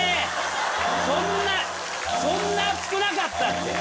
そんなそんな熱くなかったって。